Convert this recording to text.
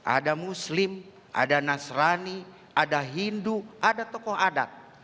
ada muslim ada nasrani ada hindu ada tokoh adat